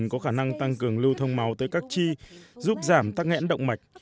có khả năng tăng cường lưu thông máu tới các chi giúp giảm tăng hẹn động mạch